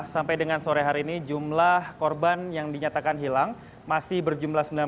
sampai dengan sore hari ini jumlah korban yang dinyatakan hilang masih berjumlah sembilan belas